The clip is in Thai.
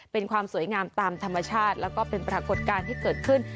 เป็นความสวยงามตามธรรมชาติแล้วก็เป็นปรากฏการณ์ที่เกิดขึ้น